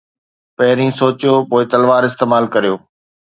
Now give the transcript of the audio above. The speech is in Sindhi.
پهرين سوچيو، پوءِ تلوار استعمال ڪريو.